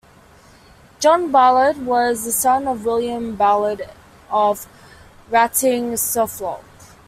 John Ballard was the son of William Ballard of Wratting, Suffolk.